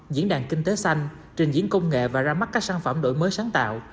diễn đàn kinh tế xanh trình diễn công nghệ và ra mắt các sản phẩm đổi mới sáng tạo